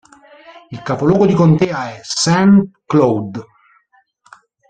Il capoluogo di contea è Saint Cloud.